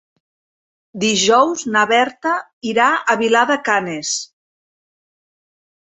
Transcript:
Dijous na Berta irà a Vilar de Canes.